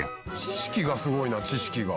「知識がすごいな知識が」